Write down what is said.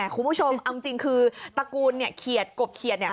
คุณผู้ชมเอาจริงคือตระกูลเนี่ยเขียดกบเขียดเนี่ย